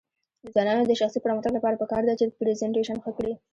د ځوانانو د شخصي پرمختګ لپاره پکار ده چې پریزنټیشن ښه کړي.